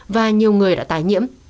và nhiều người đã tái nhiễm